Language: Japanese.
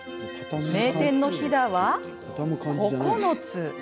名店のひだは９つ。